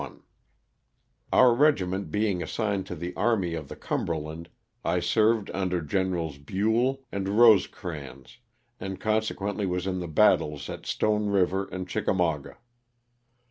Our regiment being assigned to the Army of the Cumberland, I served under Gens. Buell and Rosecrans, and consequently was in the battles at Stone River and Chickamauga.